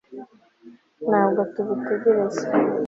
ntabwo tubitekereza